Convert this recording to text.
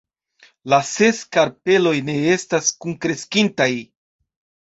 La ses karpeloj ne estas kunkreskintaj.